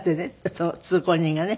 その通行人がね。